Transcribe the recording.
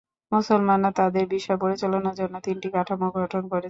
মুসলমানরা তাদের বিষয় পরিচালনার জন্য তিনটি কাঠামো গঠন করেছে।